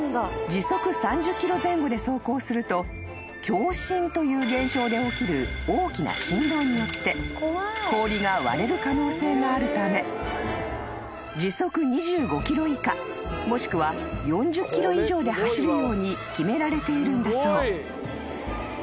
［共振という現象で起きる大きな振動によって氷が割れる可能性があるため時速２５キロ以下もしくは４０キロ以上で走るように決められているんだそう］